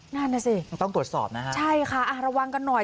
นั่นน่ะสิมันต้องตรวจสอบนะฮะใช่ค่ะระวังกันหน่อย